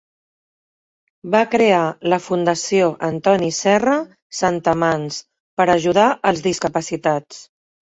Va crear la Fundació Antoni Serra Santamans per ajudar als discapacitats.